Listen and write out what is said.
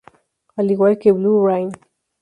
Al igual que "Blue Rain".